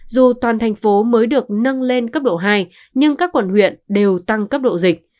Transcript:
dù toàn thành phố mới được nâng lên cấp độ hai nhưng các quận huyện đều tăng cấp độ dịch